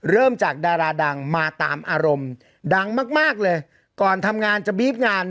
เริ่มจากดาราดังมาตามอารมณ์ดังมากมากเลยก่อนทำงานจะบีฟงาน